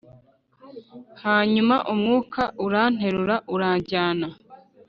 Hanyuma umwuka uranterura uranjyana